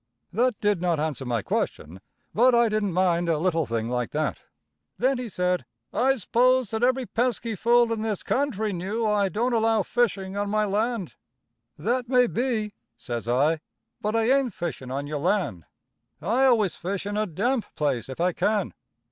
That did not answer my question, but I didn't mind a little thing like that. Then he said: "I sposed that every pesky fool in this country knew I don't allow fishing on my land." "That may be," says I, "but I ain't fishing on your land. I always fish in a damp place if I can.